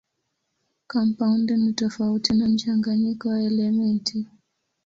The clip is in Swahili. Kampaundi ni tofauti na mchanganyiko wa elementi.